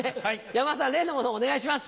山田さん例のものをお願いします。